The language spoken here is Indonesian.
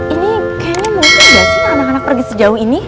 ini kayaknya mungkin gak sih pak anak anak pergi sejauh ini